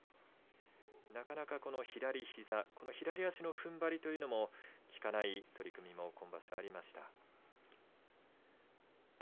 なかなか、左膝左足のふんばりというのも効かない取組も今場所はありました。